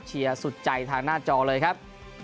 เชียร์สุดใจทางหน้าจอเลยครับ